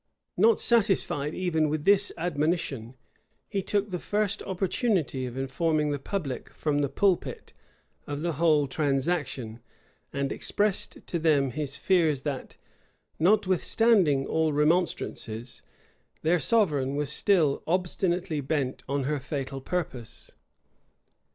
Not satisfied even with this admonition, he took the first opportunity of informing the public, from the pulpit, of the whole transaction; and expressed to them his fears that, notwithstanding all remonstrances, their sovereign was still obstinately bent on her fatal purpose.